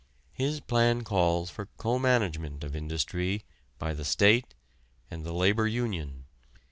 His plan calls for co management of industry by the state and the labor union.